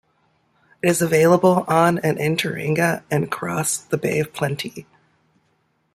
It is available on and in Tauranga and across the Bay of Plenty.